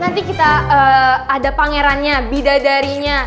nanti kita ada pangerannya bidadarinya